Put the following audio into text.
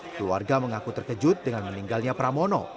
keluarga mengaku terkejut dengan meninggalnya pramono